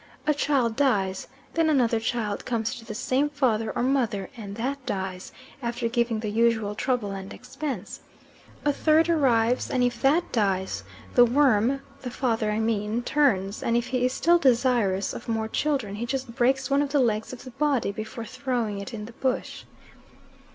A child dies, then another child comes to the same father or mother, and that dies, after giving the usual trouble and expense. A third arrives and if that dies, the worm the father, I mean turns, and if he is still desirous of more children, he just breaks one of the legs of the body before throwing it in the bush.